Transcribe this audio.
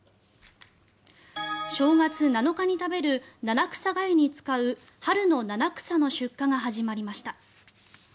正月７日に食べる七草がゆに使う春の七草の出荷が始まりました。